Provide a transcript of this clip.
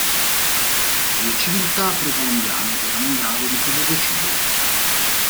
Le civiltà precolombiane erano in grado di produrre cibo.